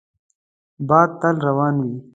باد تل روان وي